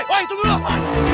woy tunggu dulu